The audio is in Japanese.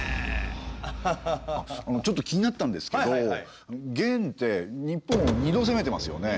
あっちょっと気になったんですけど元って日本を２度攻めてますよね。